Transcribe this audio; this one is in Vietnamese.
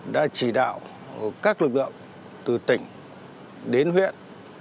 đã chỉ đạo các lực lượng từ tỉnh đến huyện